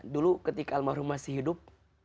dulu ketika almarhum masih hidup